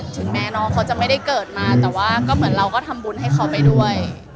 ถึงแม้น้องเขาจะไม่ได้เกิดมาแต่ว่าก็เหมือนเราก็ทำบุญให้เขาไปด้วย